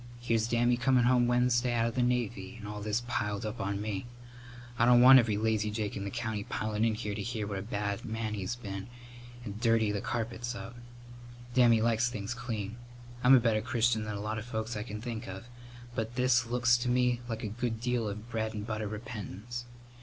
Here's Dammy comin' home Wednesday out of the Navy, and all this piled up on me. I don't want every lazyjake in the country pilin' in here to hear what a bad man he's been, and dirty the carpets up. Dammy likes things clean. I'm a better Christian than a lot of folks I can think of, but this looks to me like a good deal of a bread and butter repentance.